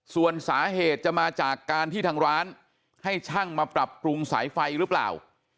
ส่วนสาเหตุจะมาจากการที่ทางร้านให้ช่างมาปรับปรุงสายไฟหรือเปล่า